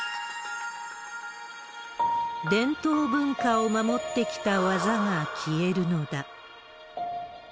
伝統文化を守ってきた技が消えるのだ。